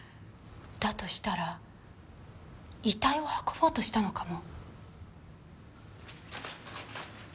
だとしたら遺体を運ぼうとしたのかも。